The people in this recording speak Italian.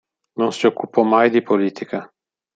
Non si occupò mai di politica.